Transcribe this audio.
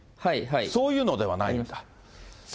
そういうのではないんだ。